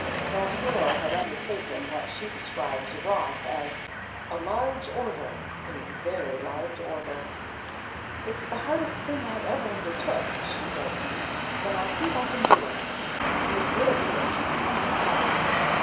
That girl had undertaken what she described to Ross as "a large order a very large order." "It's the hardest thing I ever undertook," she wrote him, "but I think I can do it; and it will be a tremendous help.